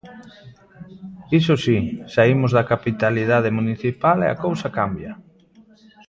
Iso si: saímos da capitalidade municipal e a cousa cambia.